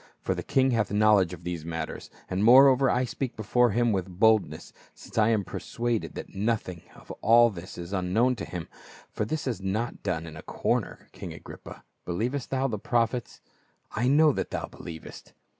For the king hath knowledge of these matters ; and moreover, I speak before him with bold ness, since J am persuaded that nothing of all this is unknown to him, for this was not done in a corner. King Agrippa, believest thou the prophets ? I know that thou believest."